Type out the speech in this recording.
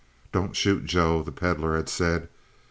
"Don't shoot, Joe," the Pedlar had said.